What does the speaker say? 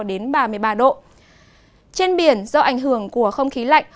trên biển do ảnh hưởng của không khí lạnh